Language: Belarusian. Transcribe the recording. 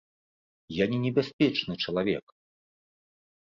Я не небяспечны чалавек!